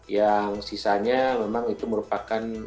yang sisanya memang itu merupakan